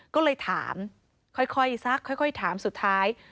ก็เลยถามค่อยซักค่อยถามสุดท้าย